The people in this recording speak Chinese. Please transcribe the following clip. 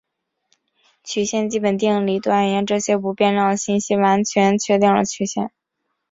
曲线基本定理断言这些不变量的信息完全确定了曲线。